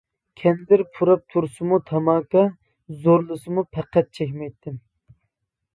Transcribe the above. كەندىر پۇراپ تۇرسا تاماكا، زورلىسىمۇ پەقەت چەكمەيتتىم.